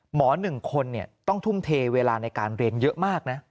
หมอหนึ่งคนเนี่ยต้องทุ่มเทเวลาในการเรียนเยอะมากนะ